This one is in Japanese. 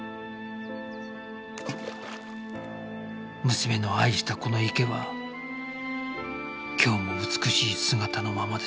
娘の愛したこの池は今日も美しい姿のままです